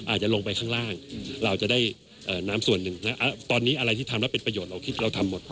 อาจจะลงไปข้างล่างเราจะได้น้ำส่วนหนึ่งตอนนี้อะไรที่ทำแล้วเป็นประโยชน์เราคิดเราทำหมด